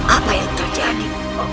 apa yang terjadi